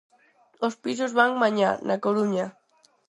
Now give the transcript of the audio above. Os pisos van mañá, na Coruña.